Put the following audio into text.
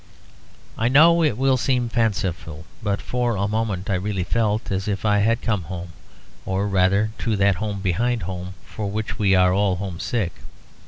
I know it will seem fanciful; but for a moment I really felt as if I had come home; or rather to that home behind home for which we are all homesick.